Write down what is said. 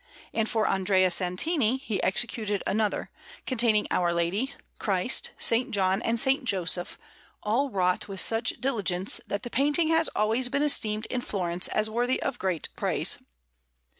And for Andrea Santini he executed another, containing Our Lady, Christ, S. John, and S. Joseph, all wrought with such diligence that the painting has always been esteemed in Florence as worthy of great praise.